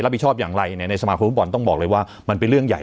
ผิดชอบอย่างไรในสมาคมฟุตบอลต้องบอกเลยว่ามันเป็นเรื่องใหญ่